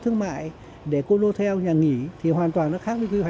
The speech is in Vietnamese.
thì mới có thể là hoàn thành